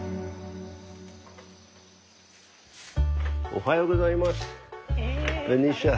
おはようございますベニシア。